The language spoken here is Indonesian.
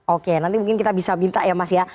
oke nanti mungkin kita bisa minta ya mas ya